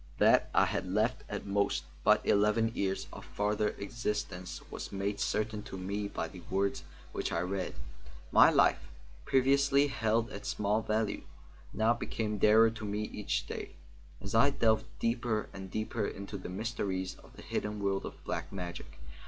That I had left at most but eleven years of further existence was made certain to me by the words which I read. My life, previously held at small value, now became dearer to me each day, as I delved deeper and deeper into the mysteries of the hidden world of black magic.